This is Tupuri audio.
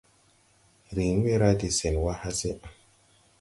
Riŋ we ra de sɛn wà hase.